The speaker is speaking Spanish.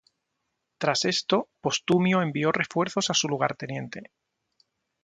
Tras esto, Postumio envió refuerzos a su lugarteniente.